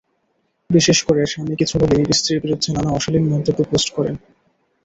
বিশেষ করে স্বামী কিছু হলেই স্ত্রীর বিরুদ্ধে নানা অশালীন মন্তব্য পোস্ট করেন।